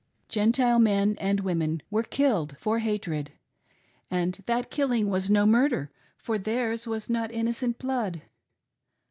Gentile men and women were killed, for hatred ; and that "killing" was no murder, for theirs was not innocent blood.